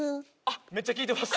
めっちゃ聞いてます